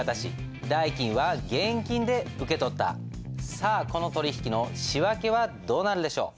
さあこの取引の仕訳はどうなるでしょう？